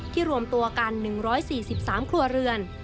รวมตัวกัน๑๔๓ครัวเรือน